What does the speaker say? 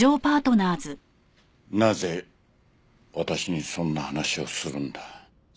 なぜ私にそんな話をするんだ？